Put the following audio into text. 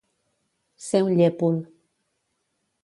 Ser un llépol.